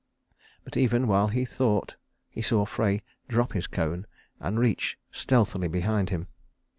But even while he thought, he saw Frey drop his cone and reach stealthily behind him.